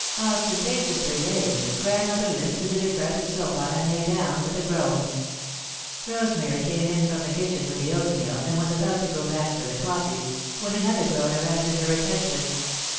Ostentatiously lame, Grandmother limped to the decrepit sofa and lay down with a groan. Rosemary came in from the kitchen with the oatmeal, and was about to go back for the coffee when another groan arrested her attention.